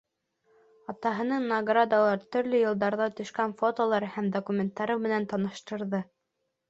Атаһының наградалары, төрлө йылдарҙа төшкән фотолары һәм документтары менән таныштырҙы.